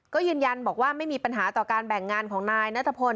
ก็ยืนยันบอกว่าไม่มีปัญหาต่อการแบ่งงานของนายนัทพล